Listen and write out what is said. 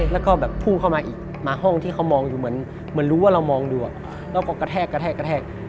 แล้วก็แบบพุ่งเข้ามาอีกมาห้องที่เขามองอยู่เหมือนรู้ว่าเรามองดูแล้วก็กระแทกกระแทกกระแทก